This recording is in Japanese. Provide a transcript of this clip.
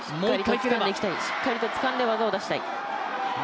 しっかりとつかんで技を出したい。